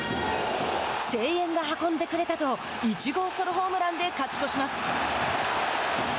「声援が運んでくれた」と１号ソロホームランで勝ち越します。